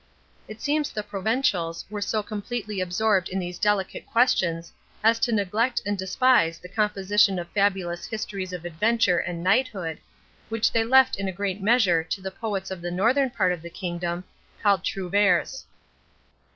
It seems the Provencials were so completely absorbed in these delicate questions as to neglect and despise the composition of fabulous histories of adventure and knighthood, which they left in a great measure to the poets of the northern part of the kingdom, called Trouveurs.